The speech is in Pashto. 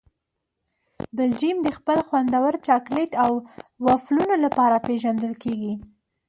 بلجیم د خپل خوندور چاکلېټ او وفلونو لپاره پېژندل کیږي.